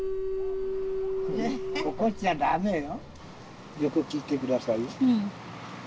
怒っちゃ駄目よ。